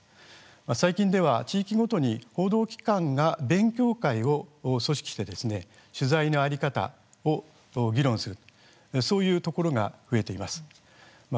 最近では地域ごとに報道機関が勉強会を組織して取材の在り方を議論するそういうところが増えています。